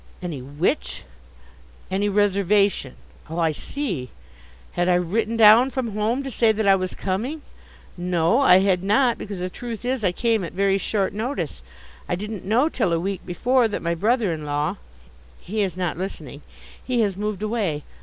Any which? Any reservation. Oh, I see, had I written down from home to say that I was coming? No, I had not because the truth is I came at very short notice. I didn't know till a week before that my brother in law He is not listening. He has moved away.